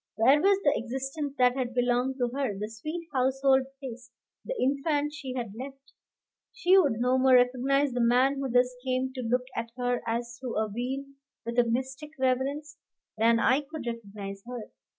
Where was the existence that had belonged to her, the sweet household place, the infant she had left? She would no more recognize the man who thus came to look at her as through a veil, with a mystic reverence, than I could recognize her.